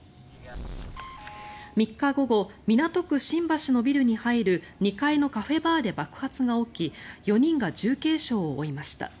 ３日午後、港区新橋のビルに入る２階のカフェバーで爆発が起き４人が重軽傷を負いました。